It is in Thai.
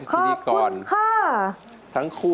ขอบคุณค่ะ